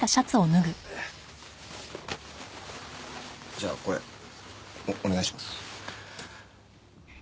じゃあこれお願いします。